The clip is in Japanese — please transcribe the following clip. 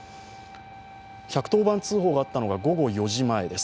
１１０番通報があったのが午後４時前です。